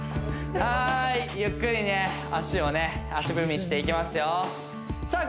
はいゆっくりね足踏みしていきますよさあ